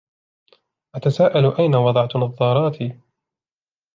أتساءل أين وضعت نظاراتي.